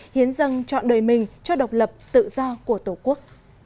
hiến dân chọn đời mình cho độc lập tự do của tổ quốc